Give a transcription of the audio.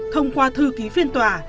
thông qua thư ký phiên tòa